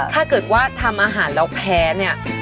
ถ้าเกิดว่าทำอาหารแล้วแพ้เนี่ย